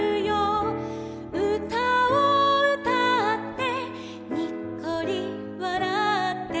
「うたをうたってにっこりわらって」